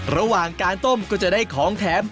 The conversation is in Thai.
ระหว่างการต้มก็จะได้ของแถม